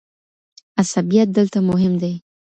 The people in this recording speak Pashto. عصبيت دلته مهم دی.